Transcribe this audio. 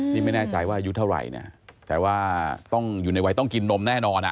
นี่ไม่แน่ใจว่าอายุเท่าไหร่เนี่ยแต่ว่าต้องอยู่ในวัยต้องกินนมแน่นอนอ่ะ